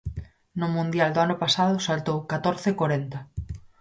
No mundial do ano pasado saltou catorce corenta.